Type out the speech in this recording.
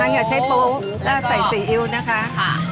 หลังจากใช้โป๊ะแล้วใส่ซีอิ๊วนะคะค่ะ